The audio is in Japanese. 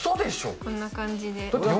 こんな感じで。